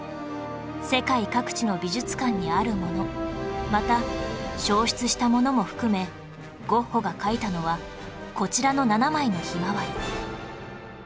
世界各地の美術館にあるものまた焼失したものも含めゴッホが描いたのはこちらの７枚の『ひまわり』